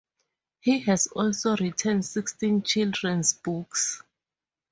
He has also written sixteen children's books.